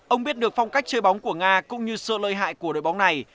ông biết được phong cách chơi bóng của nga cũng như sự lợi hại của đội bóng này